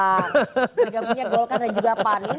agak punya golkar dan juga pan